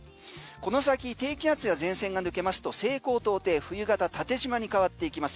この先低気圧や前線が抜けますと西高東低冬型、縦じまに変わっていきます。